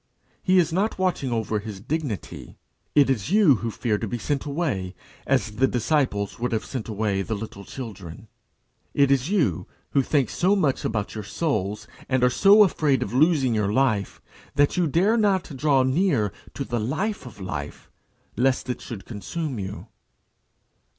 He is not watching over his dignity. It is you who fear to be sent away as the disciples would have sent away the little children. It is you who think so much about your souls and are so afraid of losing your life, that you dare not draw near to the Life of life, lest it should consume you.